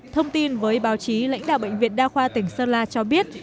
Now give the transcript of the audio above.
thông tin với báo chí lãnh đạo bệnh viện đa khoa tỉnh sơn la cho biết